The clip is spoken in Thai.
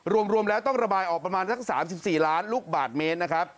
รวมแล้วต้องระบายออกประมาณสัก๓๔ล้านลูกบาทเมตรนะครับ